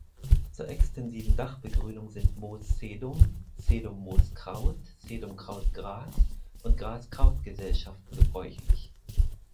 Zur extensiven Dachbegrünung sind Moos-Sedum-, Sedum-Moos-Kraut-, Sedum-Kraut-Gras- und Gras-Kraut-Gesellschaften gebräuchlich.